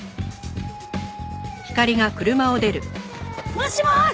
もしもーし！